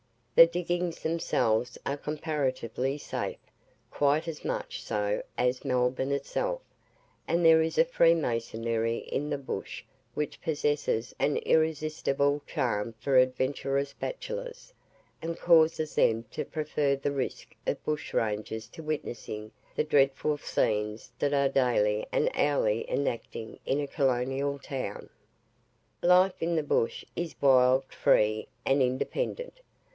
The diggings themselves are comparatively safe quite as much so as Melbourne itself and there is a freemasonry in the bush which possesses an irresistible charm for adventurous bachelors, and causes them to prefer the risk of bushrangers to witnessing the dreadful scenes that are daily and hourly enacting in a colonial town. Life in the bush is wild, free and independent.